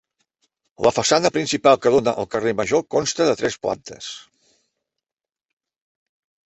La façana principal que dóna al carrer Major consta de tres plantes.